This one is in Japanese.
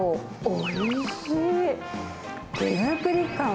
おいしい。